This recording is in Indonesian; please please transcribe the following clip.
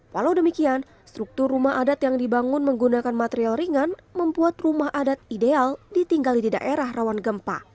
walau demikian struktur rumah adat yang dibangun menggunakan material ringan membuat rumah adat ideal ditinggali di daerah rawan gempa